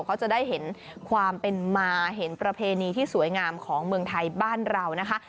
เขาจะได้เห็นความเป็นมาเห็นประเพณีที่สวยงามของเมืองไทยบ้านเรานะคะ